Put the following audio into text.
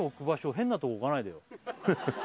変なとこ置かないでよ